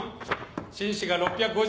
紳士が６５０。